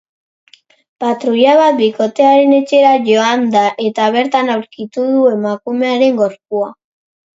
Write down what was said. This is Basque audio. Patruila bat bikotearen etxera joan da, eta bertan aurkitu du emakumearen gorpua.